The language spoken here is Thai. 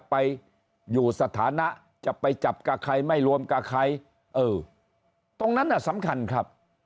ไปอยู่สถานะจะไปจับกับใครไม่รวมกับใครเออตรงนั้นน่ะสำคัญครับ